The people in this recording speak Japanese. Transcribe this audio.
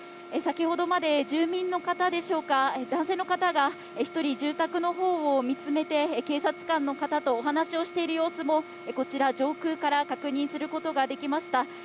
先程まで住民の方でしょうか、男性の方が１人、住宅のほうを見つめて警察官の方とお話をしている様子もこちら上空から確認することができました。